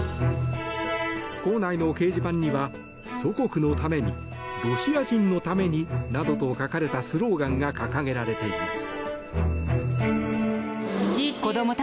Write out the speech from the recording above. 校内の掲示板には「祖国のためにロシア人のために」などと書かれたスローガンが掲げられています。